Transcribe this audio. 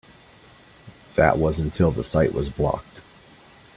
That was until the site was blocked.